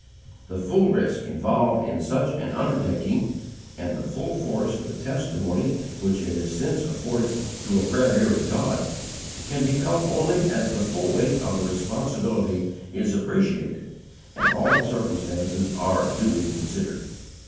The full risk involved in such an undertaking, and the full force of the testimony which it has since afforded to a prayer hearing God, can be felt only as the full weight of the responsibility is appreciated and all the circumstances are duly considered.